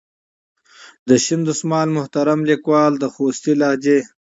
د شین دسمال محترم لیکوال د خوستي لهجې.